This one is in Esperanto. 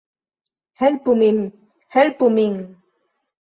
Helpu min! Helpu min!